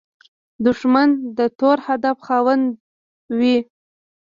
دښمن د تور هدف خاوند وي